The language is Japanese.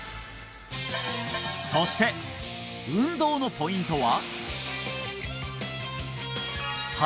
そして運動のポイントは？